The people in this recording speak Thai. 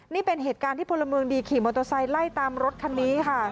นี่เป็นเหตุการณ์ที่พลเมืองดีขี่มอเตอร์ไซค์ไล่ตามรถคันนี้ค่ะ